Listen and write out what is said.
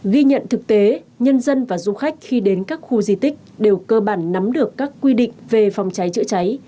ghi nhận thực tế nhân dân và du khách khi đến các khu di tích đều cơ bản nắm được các quy định về phòng cháy chữa cháy